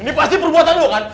ini pasti perbuatan lo kan